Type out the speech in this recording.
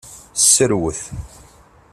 Serwet.